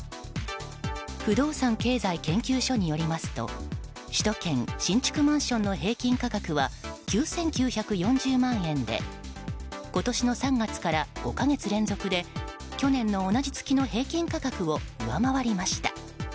不動産経済研究所によりますと首都圏新築マンションの平均価格は９９４０万円で今年の３月から５か月連続で去年の同じ月の平均価格を上回りました。